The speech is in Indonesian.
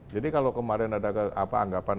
jadi kalau kemarin ada anggapan